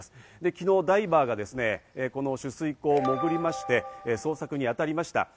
昨日ダイバーがこの取水口に潜りまして、捜索に当たりました。